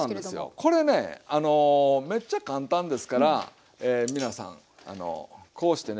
これねめっちゃ簡単ですから皆さんこうしてね